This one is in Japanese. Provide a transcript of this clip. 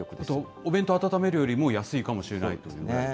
お弁当温めるよりも安いかもしれないという。